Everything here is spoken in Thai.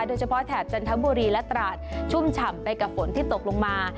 แถบจันทบุรีและตราดชุ่มฉ่ำไปกับฝนที่ตกลงมา